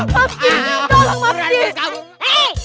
maaf dih tolong maaf dih